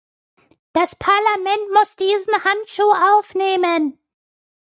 Das Parlament muss diesen Handschuh aufnehmen.